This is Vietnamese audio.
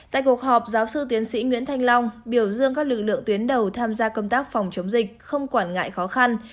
tại cuộc họp giáo sư tiến sĩ nguyễn thanh long biểu dương các lực lượng tuyến đầu tham gia công tác phòng chống dịch không quản ngại khó khăn